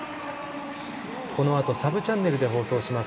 このあとサブチャンネルで放送します。